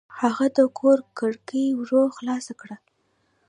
هغه د کور کړکۍ ورو خلاصه کړه.